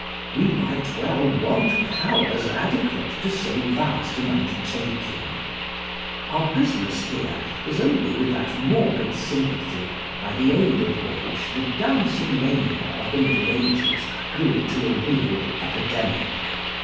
We might well want powers adequate to so vast an undertaking. Our business here is only with that morbid sympathy by the aid of which the dancing mania of the Middle Ages grew into a real epidemic.